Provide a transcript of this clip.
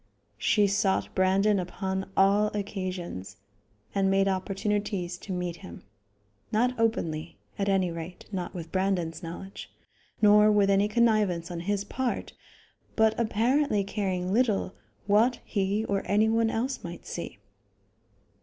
She sought Brandon upon all occasions, and made opportunities to meet him; not openly at any rate, not with Brandon's knowledge, nor with any connivance on his part, but apparently caring little what he or any one else might see.